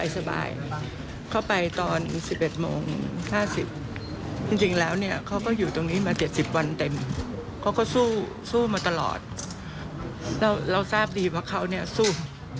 เราทราบมาตลอดเราทราบดีว่าเขาเนี่ยสู้